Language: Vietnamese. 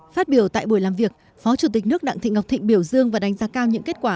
phát biểu tại buổi làm việc phó chủ tịch nước đặng thị ngọc thịnh biểu dương và đánh giá cao những kết quả